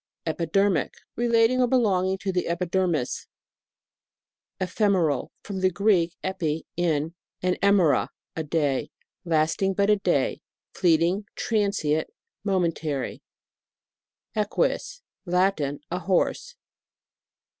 EPIDERMIC. Relating or belonging to the epidermis. EPHEMERAL. From the Greek, ejri, in, and emera, a day. Lasting but a day. Fleeting, transient, momen tary. EQUUS. Latin. A horse.